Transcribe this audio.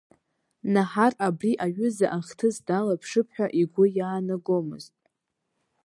Наҳар абри аҩыза ахҭыс далаԥшып ҳәа игәы иаанагомызт.